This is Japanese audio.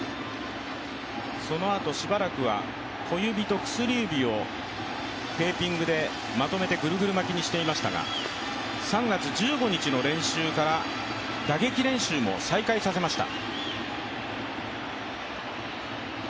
そのあとしばらくは小指と薬指をテーピングでまとめてぐるぐる巻きにしていましたが、３月１５日の練習から打撃練習も再開させました。